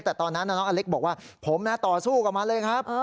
แต่ตอนนั้นน้องอเล็กบอกว่าผมต่อสู้กับมันเลยครับ